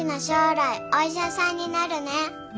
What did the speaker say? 将来お医者さんになるね。